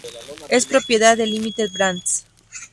Es propiedad de Limited Brands.